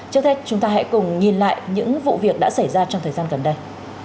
trước hết chúng ta hãy cùng nhìn lại những vụ việc đã xảy ra trong thời gian gần đây